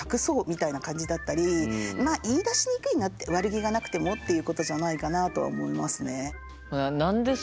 どうしてもやっぱり悪気がなくてもっていうことじゃないかなとは思いますね。